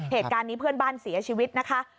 เหตุการณ์นี้เพื่อนบ้านเสียชีวิตนะคะ